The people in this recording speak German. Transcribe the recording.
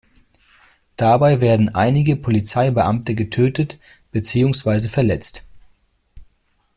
Dabei werden einige Polizeibeamte getötet beziehungsweise verletzt.